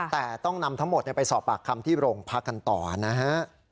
แต่ต้องนำทั้งหมดไปสอบปากคำที่โรงพักกันต่อนะฮะ